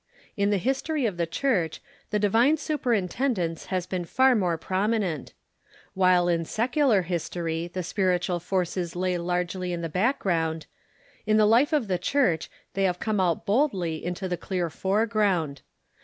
In the history of the Church the divine superintendence has been far more promi nent. While in secular history the spiritual forces lay largely in the backgroimd, in the life of the Church they have come out boldly into the clear foreground.